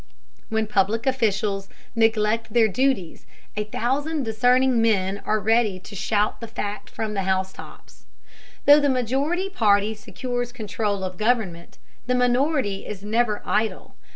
When public officials neglect their duties, a thousand discerning men are ready to shout the fact from the housetops. Though the majority party secures control of government, the minority is never idle.